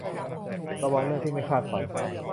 ระวังเรื่องที่ไม่คาดฝัน